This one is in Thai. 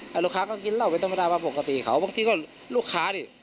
ลูกค้าก็กินเหล้าไปตรงประมาณปกติเขาบางทีก็ลูกค้าดิ